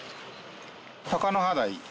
タカノハダイ。